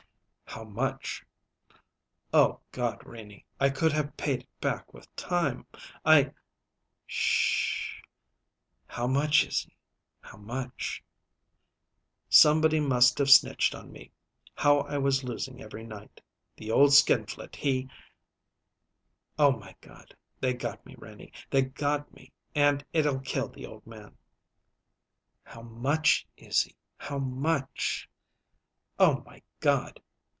"How much?" "O God, Renie! I could have paid it back with time; I " "'Sh h h! How much, Izzy how much?" "Somebody must have snitched on me, how I was losing every night. The old skinflint, he Oh, my God! They got me, Renie they got me; and it'll kill the old man!" "How much, Izzy how much?" "Oh, my God!